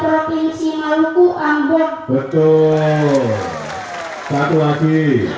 provinsi maluku anggap betul satu lagi